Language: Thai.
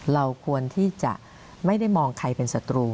เราควรที่จะไม่ได้มองใครเป็นศัตรู